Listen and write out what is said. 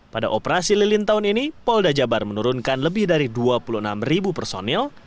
pada operasi lilin tahun ini polda jabar menurunkan lebih dari dua puluh enam personil